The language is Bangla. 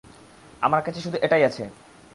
আমার কাছে শুধু এটাই আছে!